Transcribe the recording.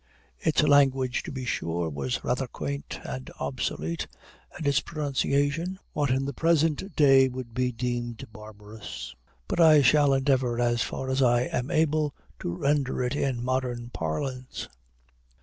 Its language, to be sure, was rather quaint and obsolete, and its pronunciation, what, in the present day, would be deemed barbarous; but I shall endeavor, as far as I am able, to render it in modern parlance.